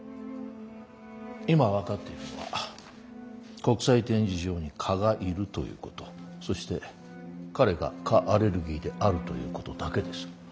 今分かっているのは国際展示場に蚊がいるということそして彼が蚊アレルギーであるということだけです。